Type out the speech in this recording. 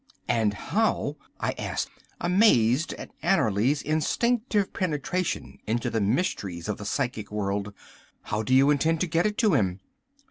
"And how," I asked, amazed at Annerly's instinctive penetration into the mysteries of the psychic world, "how do you intend to get it to him?"